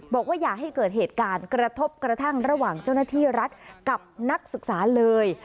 อย่าให้เกิดเหตุการณ์กระทบกระทั่งระหว่างเจ้าหน้าที่รัฐกับนักศึกษาเลย